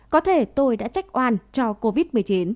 có thể tôi đã trách oan cho covid một mươi chín